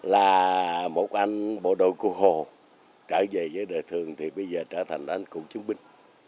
là một anh bộ đội cụ hồ trở về với đời thường thì bây giờ trở thành anh cụ chiến binh